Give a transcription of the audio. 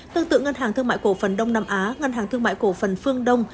tương tự ngân hàng thương mại cổ phần đông nam á ngân hàng thương mại cổ phần phương đông